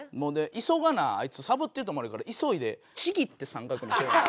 急がなあいつサボってると思われるから急いでちぎって三角にしてたんですよ。